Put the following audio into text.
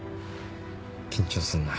緊張すんなぁ。